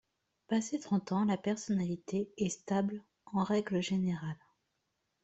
Passés trente ans, la personnalité est stable en règle générale.